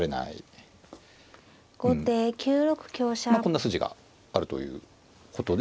まあこんな筋があるということで。